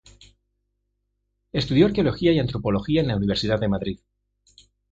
Estudió arqueología y antropología en la Universidad de Madrid.